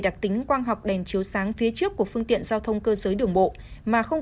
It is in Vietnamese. đặc tính quang học đèn chiếu sáng phía trước của phương tiện giao thông cơ giới đường bộ mà không